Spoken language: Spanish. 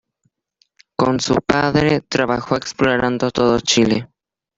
Con su padre trabajó explorando todo Chile.